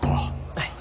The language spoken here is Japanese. はい。